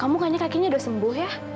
kamu kayaknya kakinya udah sembuh ya